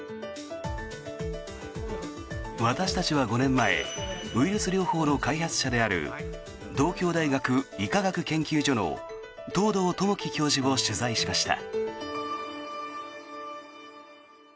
私たちは５年前ウイルス療法の開発者である東京大学医科学研究所の藤堂具紀教授を取材しました。